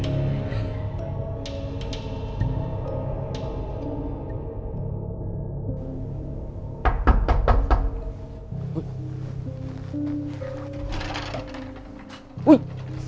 ที่นี่มัน